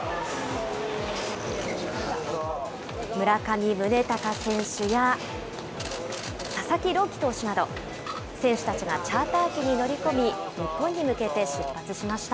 村上宗隆選手や佐々木朗希投手など、選手たちがチャーター機に乗り込み、日本へ向けて出発しました。